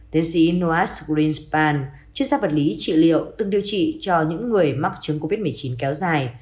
tiến sĩ noah greenspan chuyên gia vật lý trị liệu từng điều trị cho những người mắc chứng covid một mươi chín kéo dài